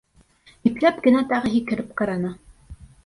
Ипләп кенә тағы һикереп ҡараны.